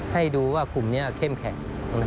ให้ดูว่ากลุ่มนี้เข้มแข็ง